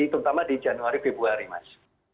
terutama di januari februari mas